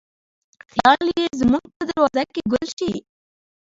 خیال یې زموږ په دروازه کې ګل شي